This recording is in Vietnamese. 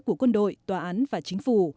của quân đội tòa án và chính phủ